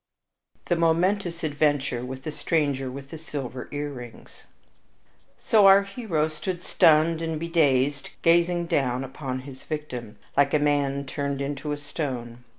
IV The Momentous Adventure with the Stranger with the Silver Earrings So our hero stood stunned and bedazed, gazing down upon his victim, like a man turned into a stone.